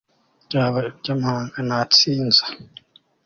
byaba iby'amahanga natsinze